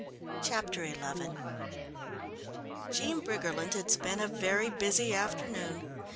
Chapter XI Jean Briggerland had spent a very busy afternoon.